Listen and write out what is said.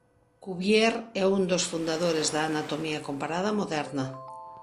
Cuvier é un dos fundadores da anatomía comparada moderna.